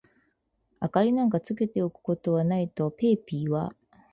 「明りなんかつけておくことはないわ」と、ペーピーはいって、光をふたたび消した。